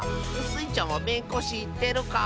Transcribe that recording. スイちゃんはめんこしってるか？